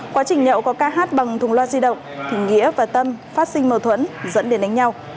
quá trình nhậu có ca hát bằng thùng loa di động thì nghĩa và tâm phát sinh mâu thuẫn dẫn đến đánh nhau